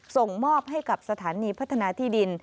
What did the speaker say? ส่งมอบให้กับสถานีพัฒนาที่ดิน